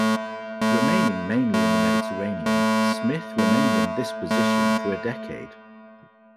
Remaining mainly in the Mediterranean, Smith remained in this position for a decade.